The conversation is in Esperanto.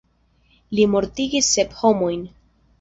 Li mortigis sep homojn.